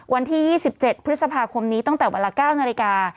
วันที่๒๗พฤษภาคมนี้ตั้งแต่เวลา๙นาฬิกา